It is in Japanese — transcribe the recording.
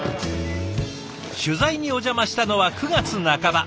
取材にお邪魔したのは９月半ば。